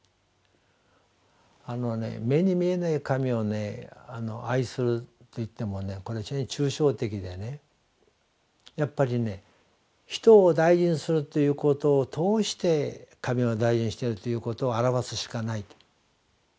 あのね目に見えない神を愛するといってもこれ非常に抽象的でやっぱりね人を大事にするということを通して神を大事にしているということをあらわすしかないと。